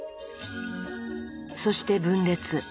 そして分裂。